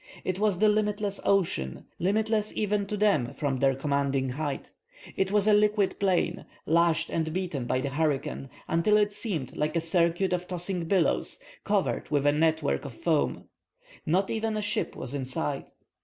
It was the limitless ocean, limitless even to them from their commanding height. It was a liquid plain, lashed and beaten by the hurricane, until it seemed like a circuit of tossing billows, covered with a net work of foam. Not even a ship was in sight.